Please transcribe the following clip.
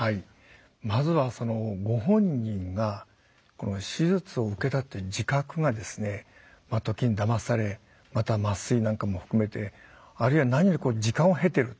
まずはご本人が手術を受けたっていう自覚がですね時にだまされまた麻酔なんかも含めてあるいは何より時間を経てると。